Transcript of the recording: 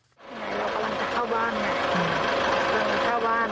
เรากำลังจะเข้าบ้านผมเข้าบ้าน